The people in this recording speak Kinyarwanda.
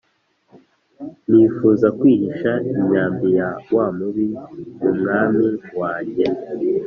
Nifuza kwihisha imyambi ya wamubi mu mwami wanjye